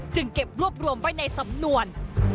เก็บรวบรวมไว้ในสำนวน